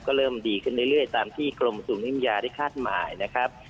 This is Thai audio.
ก็เริ่มดีขึ้นเรื่อยตามที่กรมศูนนิมิยาได้คาดหมายนะครับ